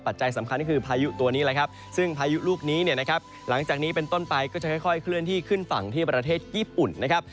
สำคัญก็คือพายุตัวนี้แหละครับซึ่งพายุลูกนี้เนี่ยนะครับหลังจากนี้เป็นต้นไปก็จะค่อยเคลื่อนที่ขึ้นฝั่งที่ประเทศญี่ปุ่นนะครับ